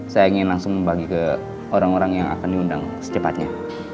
saya ingin langsung membagi ke orang orang yang akan diundang secepatnya